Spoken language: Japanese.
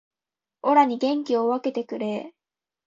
オラに元気を分けてくれー